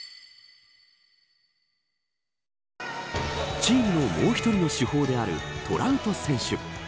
チームのもう１人の主砲であるトラウト選手。